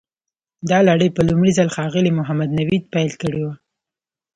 دا لړۍ په لومړي ځل ښاغلي محمد نوید پیل کړې وه.